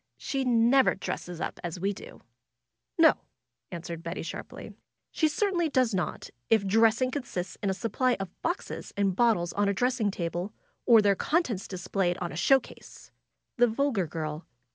^^She never dresses up as we do." ^^No !" answered Betty sharply. ^^She certainly does not, if dressing consists in a supply of boxes and bot tles on a dressing table, or their contents displayed on a show case!" The vulgar girl.